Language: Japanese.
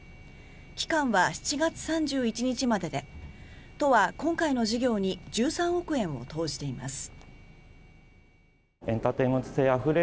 期間は７月３１日までで都は今回の事業に１３億円を投じています。